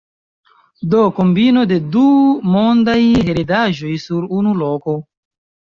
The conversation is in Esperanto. Do kombino de du mondaj heredaĵoj sur unu loko.